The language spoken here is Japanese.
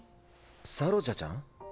サロジャちゃん？